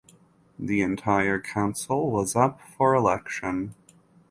The entire council was up for election.